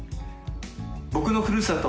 僕のふるさと